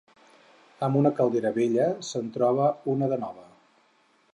Amb una caldera vella se'n troba una de nova.